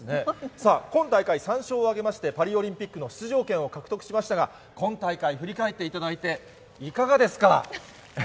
さあ、今大会３勝を挙げまして、パリオリンピックの出場権を獲得しましたが、今大会、振り返っていただいて、いかがですか？